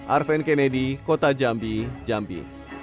arven kennedy kota jambi jambi